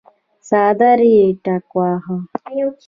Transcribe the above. څادر يې ټکواهه.